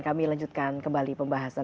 kami lanjutkan kembali pembahasan